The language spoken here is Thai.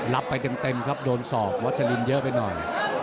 รับไปเต็มครับโดนศอกวัสลินเยอะไปหน่อย